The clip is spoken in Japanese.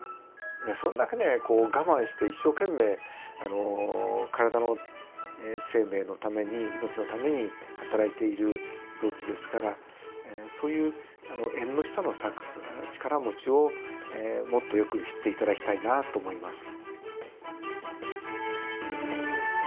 そんだけね我慢して一生懸命体の生命のために命のためにはたらいている臓器ですからそういう縁の下の力持ちをもっとよく知って頂きたいなと思います。